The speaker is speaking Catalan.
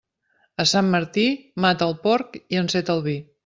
A Sant Martí, mata el porc i enceta el vi.